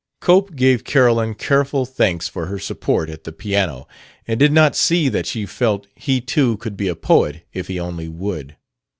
Cope gave Carolyn careful thanks for her support at the piano, and did not see that she felt he too could be a poet if he only would.